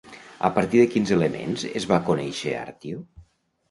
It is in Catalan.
A partir de quins elements es va conèixer Artio?